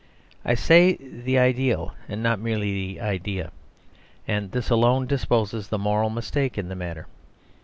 I say the ideal and not merely the idea; and this alone disposes of the moral mistake in the matter.